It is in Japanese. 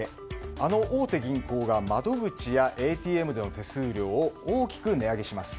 あの大手銀行が窓口やＡＴＭでの手数料を大きく値上げします。